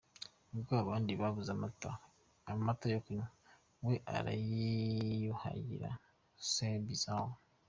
Ubwo abandi babuze amata banywa, we arayiyuhagiza!! C’est bizarre.